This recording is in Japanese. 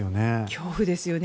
恐怖ですよね。